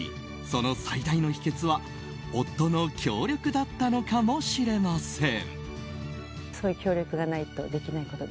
その最大の秘訣は夫の協力だったのかもしれません。